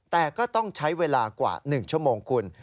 แต่ก็ต้องใช้เวลากว่า๑ชั่วโมงคุณ